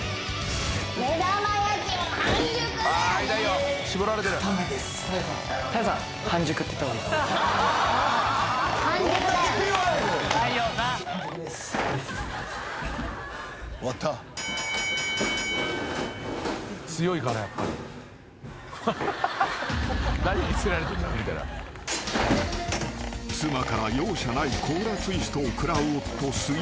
［妻から容赦ないコブラツイストを食らう夫杉浦に対し］